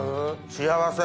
幸せ！